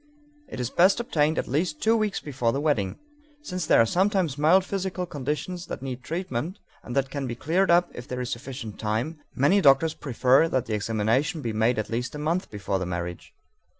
It is best obtained at least two weeks before the wedding. Since there are sometimes mild physical conditions that need treatment and that can be cleared up if there is sufficient time, many doctors prefer that the examination be made at least a month before the marriage.